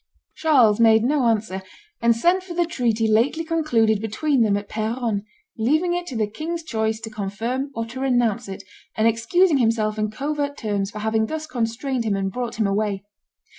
Charles made no answer, and sent for the treaty lately concluded between them at Peronne, leaving it to the king's choice to confirm or to renounce it, and excusing himself in covert terms for having thus constrained him and brought him away.